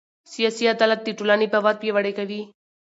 سیاسي عدالت د ټولنې باور پیاوړی کوي